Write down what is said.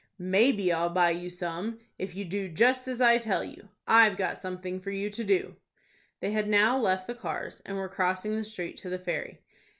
"Maybe I'll buy you some, if you do just as I tell you. I've got something for you to do." They had now left the cars, and were crossing the street to the ferry.